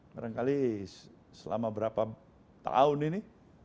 barangkali selama berapa tahun ini